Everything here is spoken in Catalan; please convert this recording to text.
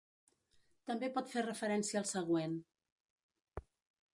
També pot fer referència al següent.